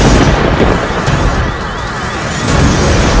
who is ndengkong janjian